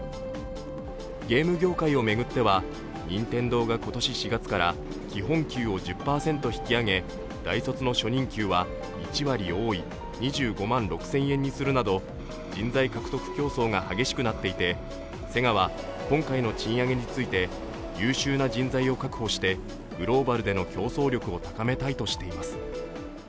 ゲーム業界を巡っては任天堂が今年４月から基本給を１０％引き上げ大卒の初任給は１割多い２５万６０００円にするなど人材獲得競争が激しくなっていてセガは今回の賃上げについて優秀な人材を確保してグローバルでの競争力を高めたいとしています。